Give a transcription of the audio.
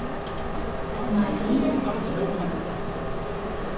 Марий йылме.